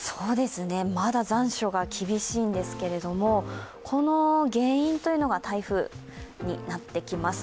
まだ残暑が厳しいんですけれども、この原因が台風になってきます。